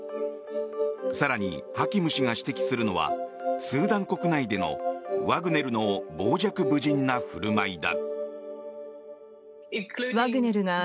更に、ハキム氏が指摘するのはスーダン国内での、ワグネルの傍若無人な振る舞いだ。